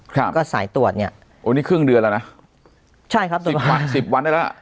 ครับก็สายตรวจเนี้ยโอ้นี่ครึ่งเดือนแล้วนะใช่ครับสิบวันสิบวันได้แล้วล่ะ